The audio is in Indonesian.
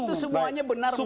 itu semuanya benar ngabalin